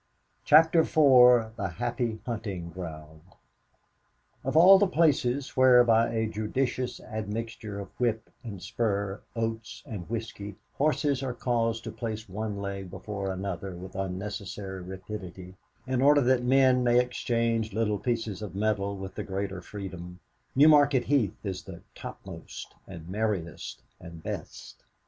CHAPTER IV THE HAPPY HUNTING GROUND Of all the places where, by a judicious admixture of whip and spur, oats and whisky, horses are caused to place one leg before another with unnecessary rapidity, in order that men may exchange little pieces of metal with the greater freedom, Newmarket Heath is "the topmost, and merriest, and best."